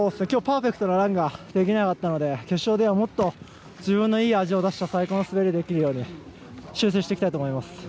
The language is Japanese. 今日はパーフェクトなランができなかったので決勝ではもっと自分のいい味を出した最高の滑りをできるように修正していきたいと思います。